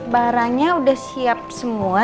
baranya udah siap semua